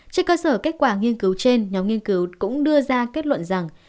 trên cơ sở kết quả nghiên cứu trên nhóm nghiên cứu cũng đưa ra kết luận rằng